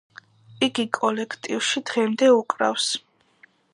იგი კოლექტივში დღემდე უკრავს.